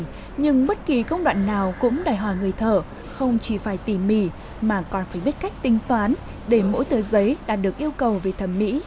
tường đơn giản nhưng bất kỳ công đoạn nào cũng đòi hỏi người thợ không chỉ phải tỉ mỉ mà còn phải biết cách tính toán để mỗi tờ giấy đạt được yêu cầu về thẩm mỹ và chất lượng